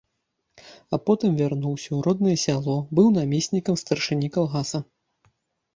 А потым вярнуўся ў роднае сяло, быў намеснікам старшыні калгаса.